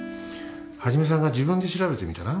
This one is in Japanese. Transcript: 一さんが自分で調べてみたら？